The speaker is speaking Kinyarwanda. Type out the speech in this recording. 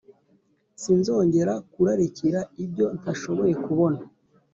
sinzongera kurarikira ibyo ntashoboye kubona